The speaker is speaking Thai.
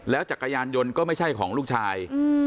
จักรยานยนต์ก็ไม่ใช่ของลูกชาย